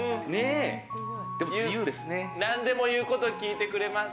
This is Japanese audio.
何でも言うこと聞いてくれます。